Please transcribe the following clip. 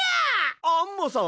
アンモさん？